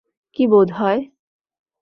কী বোধ হয়?